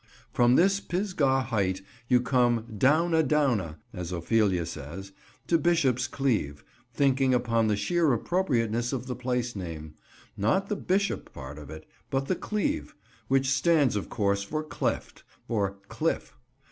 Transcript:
From this Pisgah height you come "down a down a," as Ophelia says, to Bishop's Cleeve, thinking upon the sheer appropriateness of the place name; not the "Bishop" part of it, but the "Cleeve"; which stands of course for "cleft," or "cliff."